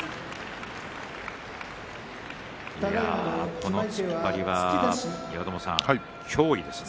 この突っ張りは岩友さん脅威ですね。